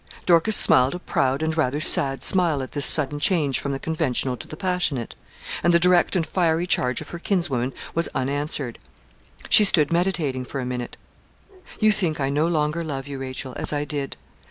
Dorcas smiled a proud and rather sad smile at this sudden change from the conventional to the passionate; and the direct and fiery charge of her kinswoman was unanswered. She stood meditating for a minute. 'You think I no longer love you, Rachel, as I did.